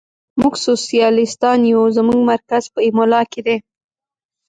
موږ سوسیالیستان یو، زموږ مرکز په ایمولا کې دی.